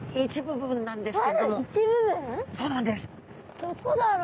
どこだろう？